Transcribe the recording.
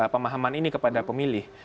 pemahaman ini kepada pemilih